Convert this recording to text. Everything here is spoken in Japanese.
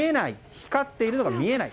光っているのが見えない。